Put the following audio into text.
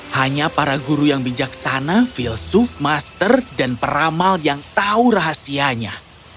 hanya para guru yang bijaksana filsuf master dan peramal yang tahu rahasianya